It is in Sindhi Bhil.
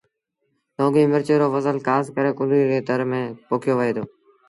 لونگيٚ مرچ رو ڦسل کآس ڪري ڪنريٚ ري تر ميݩ پوکيو وهي دو